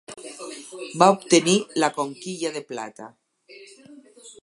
Va obtenir la Conquilla de Plata.